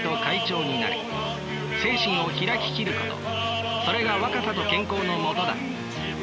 精神をひらききることそれが若さと健康のもとだ。